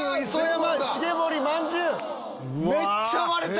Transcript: めっちゃ割れた！